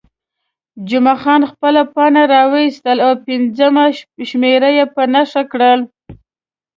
جمعه خان خپله پاڼه راویستل او پنځمه شمېره یې په نښه کړل.